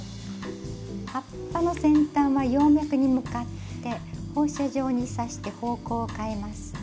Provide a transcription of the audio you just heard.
葉っぱの先端は葉脈に向かって放射状に刺して方向を変えます。